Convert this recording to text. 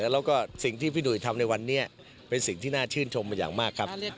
แล้วก็สิ่งที่พี่หุยทำในวันนี้เป็นสิ่งที่น่าชื่นชมมาอย่างมากครับ